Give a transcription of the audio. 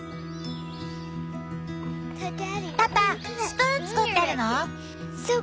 パパスプーン作ってるの？